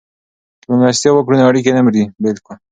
که مېلمستیا وکړو نو اړیکې نه مري.